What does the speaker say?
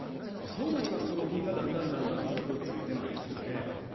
そうなりますと路銀がだんだんだんだん底をついてまいりますね。